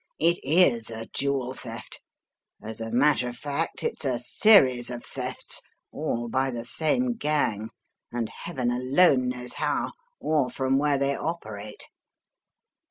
It is a jewel theft. As a matter of fact, it's a series of thefts, all by the same gang, and Heaven alone knows how, or from where they operate."